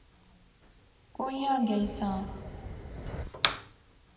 کوئیاں گیساں؟